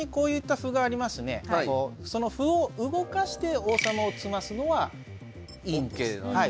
その歩を動かして王様を詰ますのはいいんです。